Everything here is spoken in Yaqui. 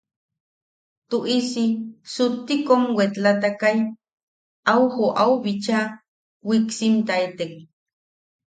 Tuʼisi sutti kom wetlatakai au joʼau bicha wiksimtaitek.